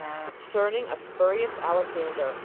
Concerning A Spurious Alexander.